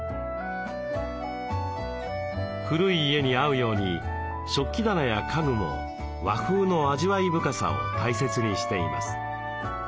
古い家に合うように食器棚や家具も和風の味わい深さを大切にしています。